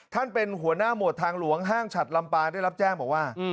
เป็นหัวหน้าหมวดทางหลวงห้างฉัดลำปางได้รับแจ้งบอกว่า